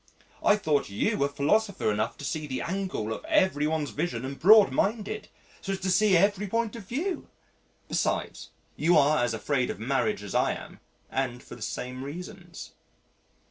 I thought you were philosopher enough to see the angle of every one's vision and broadminded so as to see every point of view. Besides, you are as afraid of marriage as I am, and for the same reasons."